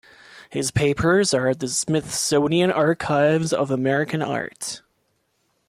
His papers are at the Smithsonian Archives of American Art.